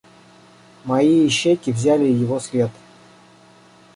Мои ищейки взяли его след.